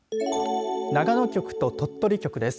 長野局と鳥取局です。